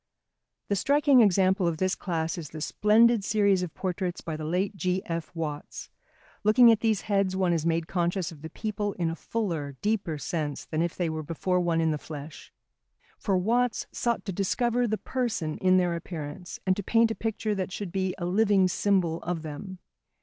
The striking example of this class is the splendid series of portraits by the late G.F. Watts. Looking at these heads one is made conscious of the people in a fuller, deeper sense than if they were before one in the flesh. For Watts sought to discover the person in their appearance and to paint a picture that should be a living symbol of them.